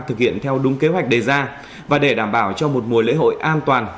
thực hiện theo đúng kế hoạch đề ra và để đảm bảo cho một mùa lễ hội an toàn